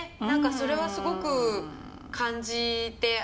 何かそれはすごく感じて。